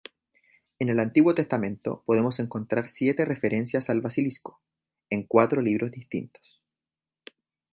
En el Antiguo Testamento podemos encontrar siete referencias al basilisco, en cuatro libros distintos.